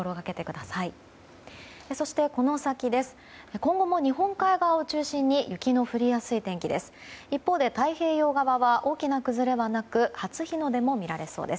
今後も日本海側を中心に雪の降りやすい天気です。